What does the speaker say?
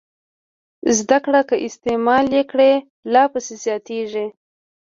زده کړه که استعمال یې کړئ لا پسې زیاتېږي.